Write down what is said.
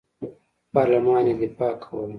پارلمان یې دفاع کوله.